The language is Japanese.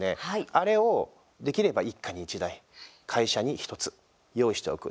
あれを、できれば一家に１台会社に１つ用意しておく